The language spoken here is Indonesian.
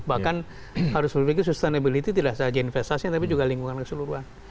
bahkan harus berpikir sustainability tidak saja investasinya tapi juga lingkungan keseluruhan